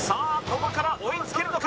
ここから追いつけるのか？